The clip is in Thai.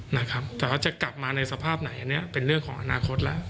เราจะกลับมาในสภาพไหนนี่เป็นเรื่องของอนาคตหล่ะ